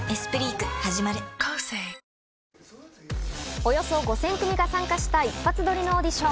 およそ５０００組が参加した一発撮りのオーディション。